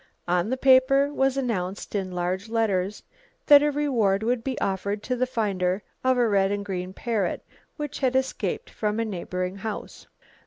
On the paper was announced in large letters that a reward would be offered to the finder of a red and green parrot which had escaped from a neighbouring house.